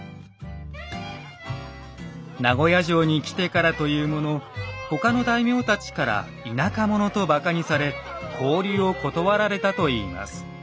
名護屋城に来てからというもの他の大名たちから田舎者とばかにされ交流を断られたといいます。